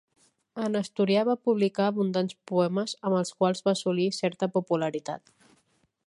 En asturià va publicar abundants poemes amb els quals va assolir certa popularitat.